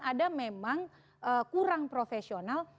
ada memang kurang profesional